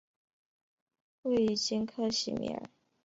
位于今克什米尔的巴基斯坦控制区北部吉尔吉特河上游山区。